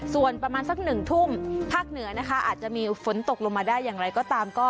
ส่วนประมาณสัก๑ทุ่มภาคเหนือนะคะอาจจะมีฝนตกลงมาได้อย่างไรก็ตาม